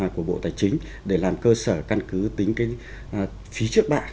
của bộ tài chính để làm cơ sở căn cứ tính cái phí trước bạ